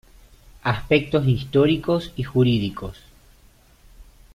Aspectos históricos y jurídicos".